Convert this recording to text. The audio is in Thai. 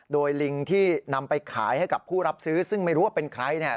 โดยลิงที่นำไปขายให้กับผู้รับซื้อซึ่งไม่รู้ว่าเป็นใครเนี่ย